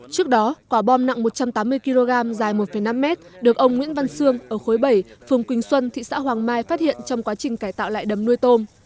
trước đó quả bom nặng một trăm tám mươi kg dài một năm mét được ông nguyễn văn sương ở khối bảy phường quỳnh xuân thị xã hoàng mai phát hiện trong quá trình cải tạo lại đầm nuôi tôm